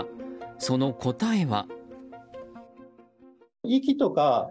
その答えは。